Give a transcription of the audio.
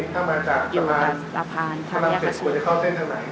ถ้ามาจากสวนจะเข้าเส้นทางไหน